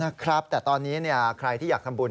นะครับแต่ตอนนี้ใครที่อยากทำบุญ